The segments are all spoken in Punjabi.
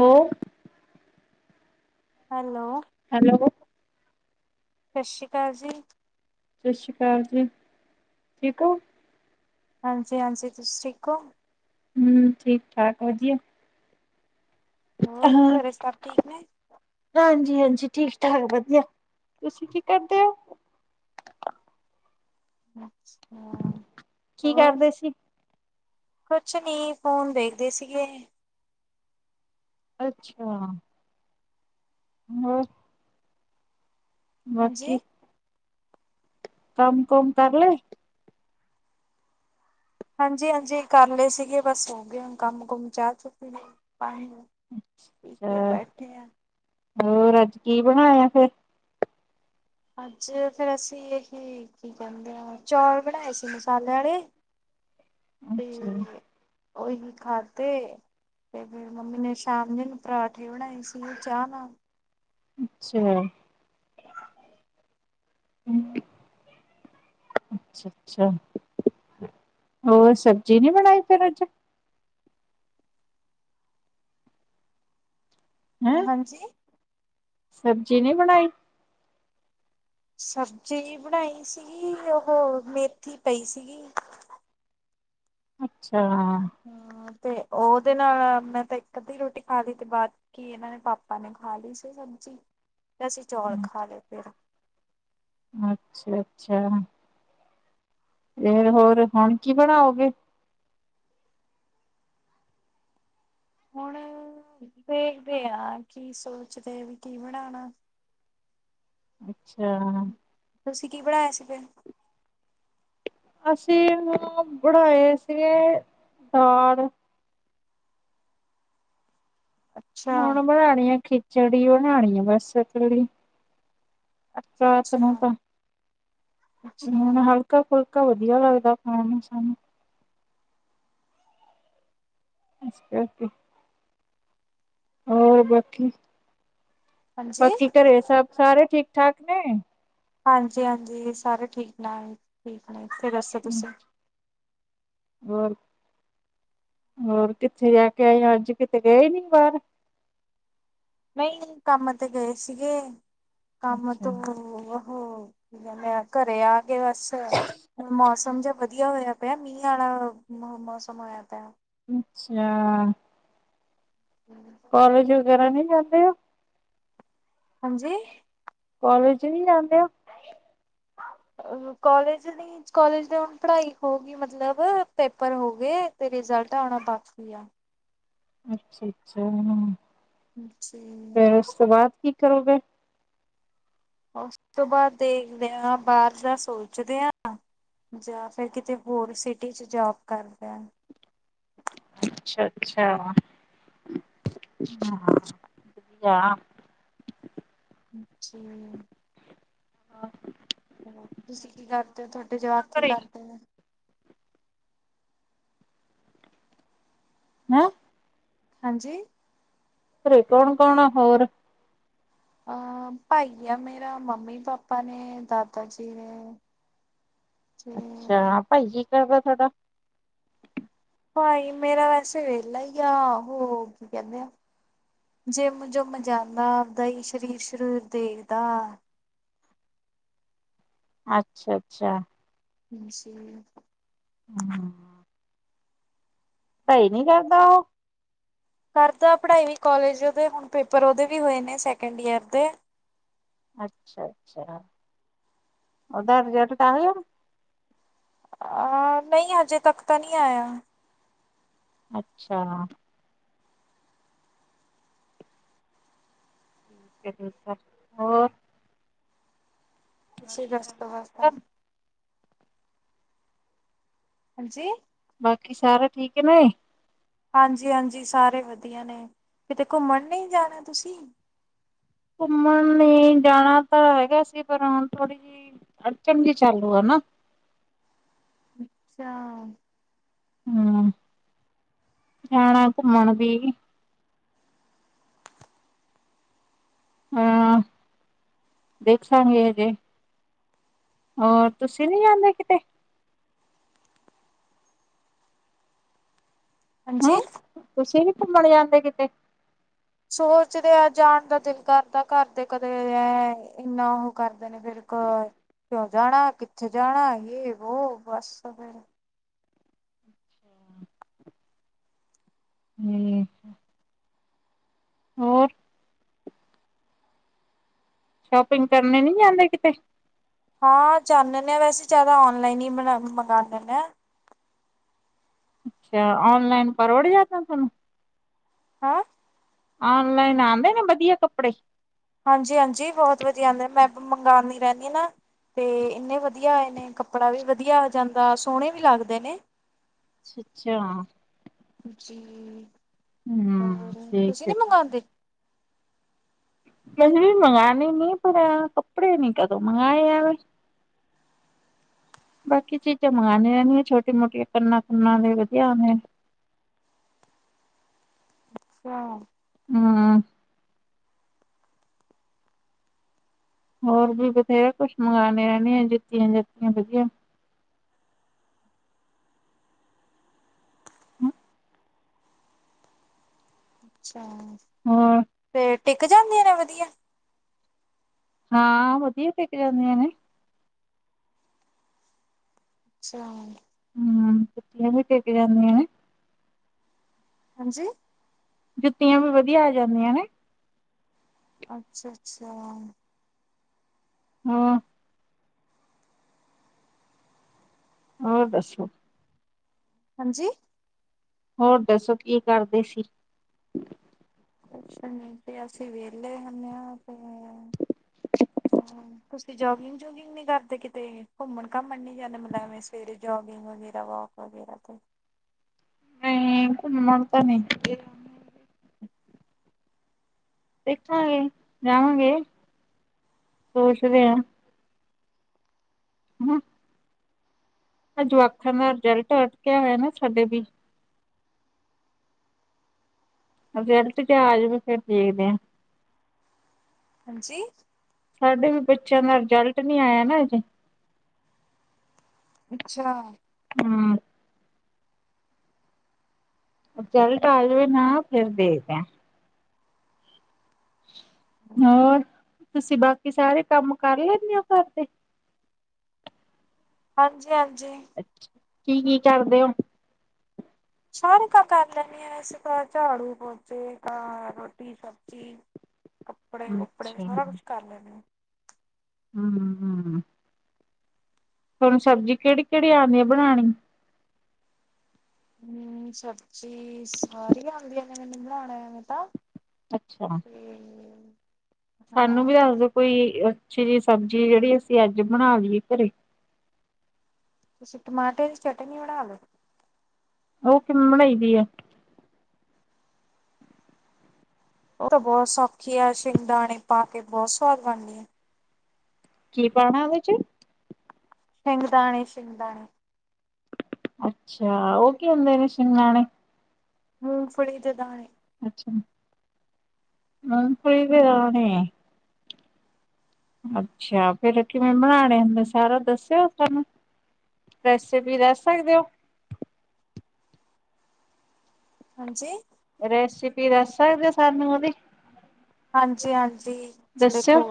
ਹੋ। ਹੈਲੋ। ਹੈਲੋ। ਸਤਿ ਸ਼੍ਰੀ ਅਕਾਲ ਜੀ। ਸਤਿ ਸ਼੍ਰੀ ਅਕਾਲ ਜੀ ਠੀਕ ਹੋ। ਹਾਂਜੀ ਹਾਂਜੀ ਤੁਸੀਂ ਠੀਕ ਹੋ? ਹੂ, ਠੀਕ ਠਾਕ ਵਧੀਆ। ਹੋਰ ਹਾਂ ਘਰੇ ਸਭ ਠੀਕ ਨੇ। ਹਾਂਜੀ ਹਾਂਜੀ ਠੀਕ ਠਾਕ ਵਧੀਆ, ਤੁਸੀਂ ਕੀ ਕਰਦੇ ਹੋ। ਹਮ। [unintelligible] ਕੀ ਕਰਦੇ ਸੀ ਕੁਛ ਨੀ, ਫੋਨ ਦੇੇਖਦੇ ਸੀਗੇ ਅੱਛਾ ਹੋਰ ਹਾਂਜੀ। ਬਾਕੀ ਕਮ ਕੁਮ ਕਰਲੇ ਹਾਂਜੀ ਹਾਂਜੀ ਕਰ ਲਏ ਸੀਗੇ, ਬਸ ਹੋ ਗਏ ਹੁ, ਕੰਮ ਕੁਮ ਚਾਹ ਚੁੱ ਪੀਣੀ, ਪਾਣੀ ਪੀ ਕੇ ਅੱਛਾ ਬੈਠੇ ਆਂ ਹੋਰ ਅੱਜ ਕੀ ਬਣਾਇਆ ਫੇਰ ਅੱਜ ਫਿਰ ਅਸੀਂ ਇਹਹੀ ਕੀ ਕਹਿੰਦੇ ਹਾਂ, ਚੌਲ ਬਣਾਏ ਸੀ ਮਸਾਲੇ ਵਾਲੇ ਅੱਛਾ ਉਹੀ ਖਾਦੇ ਤੇ ਫੇਰ ਮੰਮੀ ਨੇ, ਸ਼ਾਮ ਜਿਨ ਪਰਾਂਠੇ ਬਣਾਏ ਸੀ ਚਾਹ ਨਾਲ ਅੱਛਾ ਹ [unintelligible] ਅੱਛਾ ਅੱਛਾ, ਹੋਰ ਸਬਜ਼ੀ ਨੀ ਬਣਾਈ ਫਿਰ ਅਜ ਹੈਂ ਹਾਂਜੀ ਸਬਜ਼ੀ ਨੀ ਬਣਾਈ ਸਬਜ਼ੀ ਬਣਾਈ ਸੀਗੀ, ਉਹ ਮੇਥੀ ਪਈ ਸੀਗੀ। ਅੱਛਾ। ਹੂ, ਤੇ ਉਹਦੇ ਨਾਲ ਮੈਂ ਤਾਂ ਇੱਕ ਅੱਧੀ ਰੋਟੀ ਖਾ ਲਈ, ਤੇ ਬਾਅਦ ਕੀ ਇਹਨਾਂ ਨੇ ਪਾਪਾ ਨੇ ਖਾ ਲਈ ਸੀ ਸਬਜ਼ੀ, ਤੇ ਅਸੀਂ ਚੌਲ ਖਾ ਲਏ ਫਿਰ ਅੱਛਾ ਅੱਛਾ। ਫਿਰ ਹੋਰ, ਹੁਣ ਕੀ ਬਣਾਓਗੇ ਹੁਣ ਦੇਖਦੇ ਹਾਂ, ਕੀ ਸੋਚਦੇ ਵੀ ਕੀ ਬਣਾਉਣਾ ਅੱਛਾ ਤੁਸੀਂ ਕੀ ਪੜਣਾਇਆ ਸੀ ਫਿਰ ਅਸੀਂ ਉਹ ਬਣਾਏ ਸੀਗੇ ਦਾਲ ਅੱਛਾ ਹੁਣ ਬਣਾਣੀ ਆ, ਖਿਚੜੀ ਬਣਾਉਣੀ ਆ ਬਸ ਕੱਲੀ ਅੱਛਾ ਰਾਤ ਨੂੰ ਅੱਛਾ ਤਾਂ, ਅੱਛਾ ਹੁਣ ਹੱਲ ਫੁਲਕਾ ਫੁਲਕਾ ਵਧੀਆ ਲੱਗਦਾ ਖਾਣ ਨੂੰ ਸਾਨੂੰ ਅੱਸ ਕਰ ਕੇ ਹੋਰ ਬਾਕੀ, ਹਾਂਜੀ ਬਾਕੀ ਘਰੇ ਐ ਸਭ, ਸਾਰੇ ਠੀਕ ਠਾਕ ਨੇ ਹਾਂਜੀ-ਹਾਂਜੀ, ਸਾਰੇ ਠੀਕ-ਠਾਕ ਨੇ। ਇੱਥੇ ਦੱਸੋ ਤੁਸੀਂ? ਹੋਰ, ਹੋਰ ਕਿੱਥੇ ਜਾਕੇ ਆਏ ਅੱਜ, ਕਿਤੇ ਗਏ ਨੀ ਬਾਹਰ? ਨਹੀਂ ਕੰਮ ਤੇ ਗਏ ਸੀਗੇ, ਕੰਮ ਅੱਛਾ ਤੋਂ ਹੋ, ਕੀ ਕਹਿੰਦੇ ਘਰੇ ਆਕੇ ਬਸ, ਹੁਣ ਮੌਸਮ ਜਾ ਵਧ ਵਧੀਆ ਹੋਇਆ ਪਿਆ, ਮੀਂਹ ਵਾਲਾ ਮੌਸਮ ਹੋਇਆ ਪਿਆ। ਅੱਛਾ! ਹਮ [inaudible] ਕੌਲੇਜ ਵਗੈਰਾ ਨਹੀਂ ਜਾਂਦੇ ਹੋ? ਹਾਂਜੀ? ਕੌਲੇਜ ਨਹੀਂ ਜਾਂਦੇ ਓ? ਅ ਕੌਲੇਜ ਨਹੀ ਕੌਲੇਜ ਦੇ ਹੁਣ ਪੜ੍ਹਾਈ ਹੋ ਗਈ ਮਤਲਬ, ਪੇਪਰ ਹੋ ਗਏ, ਤੇ ਰਿਜਲਟ ਆਉਣਾ ਬਾ ਅੱਛੀ ਆ। ਅੱਛਾ-ਅੱਛਾ, ਜੀ ਫਿਰ, ਉਸ ਤੋਂ ਬਾਅਦ ਕੀ ਕਰੋਗੇ? ਉਸ ਤੋਂ ਬਾਅਦ ਦੇਖਦੇ ਹਾਂ, ਬਾਹਰ ਦਾ ਸੋਚਦੇ ਆ। ਜਾਂ ਫਿਰ, ਕਿਤੇ ਹੋਰ ਸਿਟੀ'ਚ ਜੌਬ ਕਰਦਾ। ਅੱਛਾ-ਅੱਛਾ, ਹਾਂ। ਯਾ ਅੱਛਾ। ਆਹ ਤੁਸੀਂ ਕੀ ਕਰਦੇ ਹੋ? ਤੁਹਾਡੇ ਜਵਾਕ, ਕੀ ਘਰੇ ਕਰਦੇ ਨੇ? ਹੈਂ? ਹਾਂਜੀ! ਘਰੇ ਕੌਣ-ਕੌਣ ਆ, ਹੋਰ? ਅਹ ਭਾਈ ਆ ਮੇਰਾ, ਮੰਮੀ-ਪਾਪਾ ਨੇ, ਦਾਦਾ ਜੀ ਨੇ। ਤੇ ਅੱਛਾ। ਭਾਈ ਕੀ ਕਰਦਾ ਤੁਹਾਡਾ? ਭਾਈ ਮੇਰਾ ਵੈਸੇ ਵਿਹਲਾ ਈ ਆ, ਹੋ, ਕੀ ਕਹਿੰਦੇ ਆ ਜਿੰਮ-ਜਮ ਜਾਂਦਾ ਆਪਦਾ ਹੀ, ਸ਼ਰੀਰ-ਸ਼ੁਰੀਰ ਦੇਖਦਾ। ਅੱਛਾ-ਅੱਛਾ। ਹਾਂਜੀ। ਹਾਂ, ਪੜ੍ਹਾਈ ਨੀ ਕਰਦਾ, ਉਹ? ਕਰਦਾ ਪੜ੍ਹਾਈ ਵੀ, ਕੌਲੇਜ ਓਹਦੇ, ਹੁਣ ਪੇਪਰ ਉਹਦੇ ਵੀ ਹੋਏ ਨੇ ਸੈਕਿੰਡ ਈਅਰ ਦੇ। ਅੱਛਾ-ਅੱਛਾ, ਉਹਦਾ ਰਿਜਲਟ ਤਾਂ ਆਗਿਆ? ਅ ਨਹੀਂ, ਹਜੇ ਤੱਕ ਤਾਂ ਨਹੀਂ ਆਇਆ। ਅੱਛਾ। ਠੀਕ, ਹੋਰ? ਤੁਸੀ ਦਸੋ, ਬਸਦਾ? ਹਾਂਜੀ? ਬਾਕੀ ਸਾਰੇ ਠੀਕ ਨੇ? ਹਾਂਜੀ-ਹਾਂਜੀ, ਸਾਰੇ ਵਧੀਆ ਨੇ। ਕਿਤੇ, ਘੁੰਮਣ ਨਹੀਂ ਜਾਣਾ ਤੁਸੀਂ? ਘੁੰਮਣ ਨਹੀਂ ਜਾਣਾ ਤਾਂ ਹੈਗਾ ਸੀ, ਪਰ ਹੁਣ ਥੋੜ੍ਹੀ ਜਿਹੀ ਅੜਚਨ ਜੀ, ਚਾਲੂ ਆ ਨਾ। ਅੱਛਾ। ਹੂੰ, ਜਾਣਾ ਘੁੰਮਣ ਵੀ। ਆਂ, ਦੇਖਲਾਂਗੇ ਹਜੇ। ਹੋਰ, ਤੁਸੀਂ ਨੀ ਜਾਂਦੇ ਕਿਤੇ? ਹਾਂਜੀ ਹਾਂ, ਤੁਸੀਂ ਨੀ ਘੁੰਮਣ ਜਾਂਦੇ ਕਿਤੇ? ਸੋਚਦੇ ਆ, ਜਾਣ ਦਾ ਦਿਲ ਕਰਦਾ। ਘਰਦੇ, ਕਦੇ ਇੰਨਾ ਉਹ ਕਰਦੇ ਨੇ ਫੇਰ ਕਿਉਂ ਜਾਣਾ ਕਿੱਥੇ, ਜਾਣਾ, ਯੇ, ਵੋ ਬਸ ਫਿਰ। ਹੂੰ ਹੋਰ ਸ਼ੋਪਿੰਗ ਕਰਨੇ ਨੀ ਜਾਂਦੇ ਕਿਤੇ ਹਾਂ ਚਲਣੇ ਆ ਹਾਂ ਵੈਸੇ ਜ਼ਿਆਦਾ ਔਨਲਾਈਨ ਹੀ ਮ ਮੰਗਾ ਲੈਣੇ ਹਾਂ। ਅੱਛਾ ਔਨਲਾਈਨ ਪਰ ਉੜ ਜਾਦਾ ਤੁਹਾਨੂੰ ਹੈਂ ਓਨਲਾਈਨ ਆਂਦੇ ਨੇ ਵਧੀਆ ਕੱਪੜੇ ਹਾਂਜੀ-ਹਾਂਜੀ ਬਹੁਤ ਵਧੀਆ ਆਦੇ ਮੈਂ ਮੰਗਾਦੀ ਰਹਿੰਣੀ ਹਾਂ ਨਾ ਤੇ ਇੰਨੇ ਵਧੀਆ ਆਏ ਨੇ ਕੱਪੜਾ ਵੀ ਵਧੀਆ ਆ ਜਾਂਦਾ ਸੋਹਣੇ ਵੀ ਲਾੱਗਦੇ ਨੇ। ਸੱਚਾ। ਹ ਹੂੰ ਤੁਸੀਂ ਠੀਕ ਹੈ ਨੀ ਠੀਕ। ਮੰਗਾਦੇ ਅਸੀ ਵੀ ਮੰਗਾਣੇ ਨੀ ਪਰ ਆ ਕੱਪੜੇ ਨੀ ਕਦੋਂ ਮੰਗਏ ਐਵੇ ਬਾਕੀ ਚੀਜ਼ਾਂ ਮੰਗਾਦੀ ਰਹਿਣੀ ਹਾਂ ਛੋਟੀ ਮੋਟੀ ਕੰਨਾਂ-ਕੁੰਨਾਂ ਦੇ ਵਧੀਆ ਨੇ ਕਿਉਂ? ਹਾਂ। ਹੋਰ ਵੀ ਬਥੇਰਾ ਕੁਛ ਮੰਗਾਣੇ ਰਹਿਣੇ ਆ ਜਿੱਤੀਆਂ ਜਤੀਆਂ ਵਧੀਆ ਅੱਛਾ। ਹੂੰ। ਤੇ ਟਿੱਕ ਜਾਂਦੀਆਂ ਨੇ ਵਧੀਆ। ਹਾਂ ਵਧੀਆ ਟਿੱਕ ਜਾਂਦੀਆਂ ਨੇ। ਛਾ। ਹਮ ਕੁਠੀਆਂ ਵੀ ਟਿੱਕ ਜਾਂਦੀਆਂ ਨੇ। ਹਾਂਜੀ। ਜੁੱਤੀਆਂ ਵੀ ਵਧੀਆ ਆ ਜਾਂਦੀਆਂ ਨੇ। ਅੱਛਾ-ਅੱਛਾ। ਹੂੰ। ਹੋਰ ਦੱਸੋ? ਹਾਂਜੀ- ਹੋਰ ਦੱਸੋ ਕੀ ਕਰਦੇ ਸੀ? ਕੁੱਛ ਨੀ ਤੇ ਅਸੀਂ ਵਿਹਲੇ ਹੁੰਣੇ ਹਾਂ ਤੇ [unintelligible] ਹਾਂ ਤੁਸੀਂ ਜੋਗਿੰਗ-ਜੂਗਿੰਗ ਨੀ ਕਰਦੇ ਕਿਤੇ ਘੁੰਮਣ-ਘਾਮਣ ਨੀ ਜਾਂਦੇ ਮਤਲਬ ਐਵੇਂ ਫੇਰ ਜੋਗਿੰਗ ਵਗੈਰਾ ਵੋਕ ਵਗੈਰਾ ਤੇ ਨਹੀਂ ਘੁੱਮਣ ਤਾਂ ਨਹੀ। ਦੇਖਾਂਗੇ ਜਾਵਾਂਗੇ ਸੋਚਦੇ ਹਾ। ਹੂੰ ਹ ਅਜਵਾਖਾਂ ਦਾ ਰਿਜਲਟ ਅਟਕਿਆ ਹੋਇਆ ਨਾ ਸਾਡੇ ਵੀ ਰਿਜਲਟ ਚ ਆ ਜਾਵੇ ਫਿਰ ਦੇਖਦੇ ਆ। ਹਾਂਜੀ- ਸਾਡੇ ਵੀ ਬੱਚਿਆਂ ਦਾ ਰਿਜਲਟ ਨੀ ਆਇਆ ਨਾ ਅਜੇ ਅੱਛਾ। ਹੂੰ। ਰਿਜਲਟ ਆ ਜਾਵੇ ਨਾ ਫੇਰ ਦੇਖਦੇ ਹਾ- ਹੋਰ ਤੁਸੀਂ ਬਾਕੀ ਸਾਰੇ ਕੰਮ ਕਰ ਲੈਂਣੇ ਹੋ ਘਰ ਦੇ? ਹਾਂਜੀ-ਹਾਂਜੀ। ਅੱਛਾ ਕੀ-ਕੀ ਕਰਦੇ ਹੋ? ਸਾਰੇ ਕਰ ਲੈਣੀ ਆ ਵੈਸੇ ਤਾਂ ਝਾੜੂ-ਪੋਚੇ ਤਾ ਰੋਟੀ-ਸਬਜ਼ੀ ਕੱਪੜੇ-ਕੁਪੜੇ ਅੱਛਾ ਸਾਰਾ ਕੁੱਛ ਕਰ ਲੈਣੇ ਆ। ਹੂੰ-ਹੂੰ। ਤੁਹਾਨੂੰ ਸਬਜ਼ੀ ਕਿਹੜੀ-ਕਿਹੜੀ ਆਂਦੀ ਏ ਬਣਾਣੀ। ਹਮ ਸਬਜ਼ੀ ਸਾਰੀ ਆਦੀਆਂ ਨੇ ਮੈਨੂੰ ਬਣਾਉਣੇ ਆਣੇ ਤਾਂ ਅੱਛਾ। ਤੇ ਸਾਨੂੰ ਹਾਂ ਵੀ ਦੱਸ ਦੋ ਕੋਈ ਅੱਛੀ ਜੀ ਸਬਜੀ, ਜੇੜੀ ਅਸੀ ਅੱਜ ਬਣਾ ਲੀਏ ਘਰੇ? ਤੁਸੀ ਟਮਾਟਰ ਦੀ ਚੱਟਨੀ ਬਣਾ ਲੋੋ। ਓ ਕਿਵੇਂ ਬਣਾਈ ਦੀ ਐ? ਓ ਤਾਂ ਬੋਤ ਸੌਖੀ ਐ, ਸ਼ਿੰਗਦਾਣੇ ਪਾ ਕੇ ਬੋਤ ਸਵਾਦ ਬਨਦੀ ਐ। ਕੀ ਪਾਣੈ ਉਦੇ ਚ? ਸਿੰਗਦਾਣੇ, ਸਿੰਗਦਾਣੇ। ਅੱਛਾ, ਓ ਕੀ ਹੁੰਦੇ ਨੇ ਸ਼ਿੰਗਦਾਣੇ? ਮੂਂਗਫੜੀ ਦੇ ਦਾਣੇ। ਅੱਛਾ, [unintelligible] ਦੇ ਦਾਣੇ। ਅੱਛਾ, ਫੇਰ ਏ ਕਿਵੇਂ ਬਣਾਣੇ ਹੁੰਦੇ ਸਾਰਾ ਦੱਸੇਓ ਸਾਨੂੰ? ਰੈਸੇਪੀ ਦਾੱਸ ਸਕਦੇ ਓ? ਹਾਂਜੀ। ਰੈਸਿਪੀ ਦਾੱਸ ਸਕਦੇ ਓ ਸਾਨੂੰ ਓਦੀ? ਹਾਂਜੀ, ਹਾਂਜੀ ਦੱਸਿਓ ਦੇਖੋ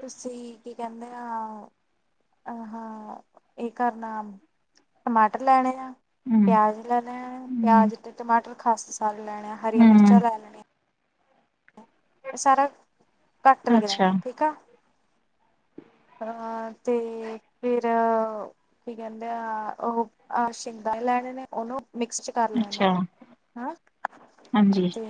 ਤੂਸੀ ਕੀ ਕੈਂਦੇ ਹਾਂ ਅ ਹਾਂ ਏਕਾਰਨਾਮ। ਟਮਾਟਰ ਲੈਣੇ ਆ, ਹਮ ਪੇਆਜ ਲੈਣੇ ਆ ਹਮ ਪੇਆਜ ਤੇ ਟਮਾਟਰ ਖਾਸ ਮਸਾਲੇ ਲੈਣੇ ਆ, ਹਰੀਆਂ ਹਮ ਮਿਰਚਾਂ ਲੈ ਲੈਣੀਆਂ। ਐ ਸਾਰਾ ਘਾੱਟ ਲੱਗਦੈ ਅੱਛਾ ਐ, ਠੀਕ ਆ। [inaudible] ਆਰ ਤੇ ਫਿਰ ਕੀ ਕੈੰਦੇ ਆ, ਓ ਅ ਸ਼ਿੰਗਦਾਨੇ ਲੈਣੇ ਨੇ ਓਨੂੰ ਮਿਕਸ ਚ ਕਾਰ ਲੈਣੇ ਆ, ਅੱਛਾ ਹਾਂ ਹਾਂਜੀ ਤੇ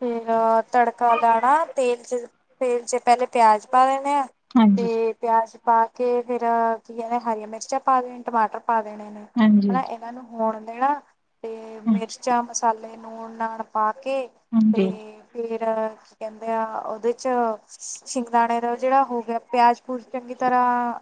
ਫੇਰ ਤੱੜਕਾ ਲਾਣਾ ਤੇਲ ਚ, ਤੇਲ ਚ ਪੈਲੇ ਪੇਆਜ ਪਾ ਦੇਣੇ ਆ ਹਾਂਜੀ। ਪੇਆਜ ਪਾ ਕੇ ਫਿਰ ਕੀ ਕੈਂਨੇ ਹਰੀਆਂ ਮਿਰਚਾਂ ਪਾ ਦੇਨ ਟਮਾਟਰ ਪਾ ਦੇਣੇ ਨੇ। ਹਾਂਜੀ ਹਨਾ ਐਨਾਂ ਨੂੰ ਹੋਣ ਦੇਣਾ ਤੇ ਮਿਰਚਾਂ, ਮਸਾਲੇ ਨੂਨ ਨਾਣ ਪਾਕੇ ਹਾਂਜੀ। ਫੇਰ ਕੀ ਕੈਂਦੇ ਆ ਓਦੇ ਚ ਸਿ਼ੰਗਦਾਣੇ ਦਾ ਜੇੜਾ ਹੋ ਗੇਆ, ਪੇਆਜ ਪੂਜ ਚੰਗੀ ਤਰਾਂ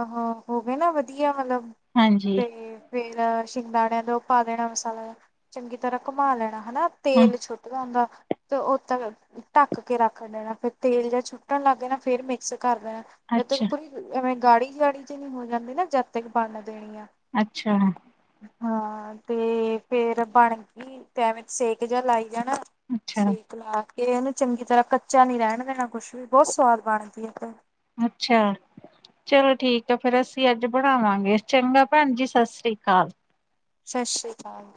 ਆਹੋ ਹੋਵੇ ਨਾ ਵਧੀਆ ਮਤਲਬ ਹਾਂਜੀ ਤੇ, ਫੇਰ ਸ਼ਿੰਗਦਾਣੇ ਦਾ ਉ ਪਾ ਦੇਣਾ ਮਸਾਲਾ ਜਾ। ਚੰਗੀ ਤਰਾਂ ਘੁੰਮਾ ਲੈਣਾ ਹਨਾ ਹ ਤੇਲ ਛੁੱਟ ਜਾਂਦਾ ਤੇ ਓ ਤਕ ਟਾੱਕ ਕੇ ਰੱਖ ਦੇਣਾ, ਫੇਰ ਤੇਲ ਜਾ ਛੁੱਟਣ ਲਾੱਗੇ ਨਾ ਫੇਰ ਮਿਕਸ ਕਾਰ ਦੇਣਾ। ਜਦ ਤਕ ਅੱਛਾ ਪੂਰੀ ਐਵੇਂ ਗਾੜੀ, ਗਾੜੀ ਜੀ ਨੀ ਹੋ ਜਾਂਦੀ ਨਾ, ਜਦ ਤਕ ਬਣਨ ਦੇਣੀ ਆ। ਅੱਛਾ। ਹਾਂ ਤੇ ਫੇਰ ਬਣ ਗੀ ਤੇ ਐਵੇਂ ਸੇਕ ਜਾ ਲਾਈ ਜਾਣਾ। ਅੱਛਾ ਸੇਕ ਲਾ ਕੇ ਐਨੂੰ ਚੰਗੀ ਤਰਾਂ, ਕੱਚਾ ਨੀ ਰੈਣ ਦੇਣਾ ਕੁੱਛ ਵੀ ਬੋਤ ਸਵਾਦ ਬਣਦੀ ਐ ਤੇ। ਅੱਛਾ। ਚਲੋ ਠੀਕ ਐ ਫੇਰ ਅਸੀ ਅਜ ਬਣਾਵਾਂਗੇ, ਚੰਗਾ ਭੈਣ ਜੀ ਸਸ੍ਰੀ ਕਾਲ। ਸ਼ਸ਼੍ਰੀ ਕਾਲ।